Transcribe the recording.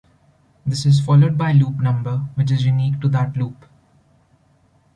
This is followed by loop number, which is unique to that loop.